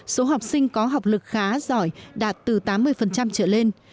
số học sinh có học lực khá giỏi đạt từ tám mươi trở lên